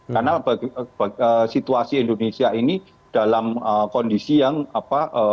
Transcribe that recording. karena situasi indonesia ini dalam kondisi yang apa